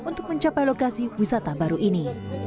untuk mencapai lokasi wisata baru ini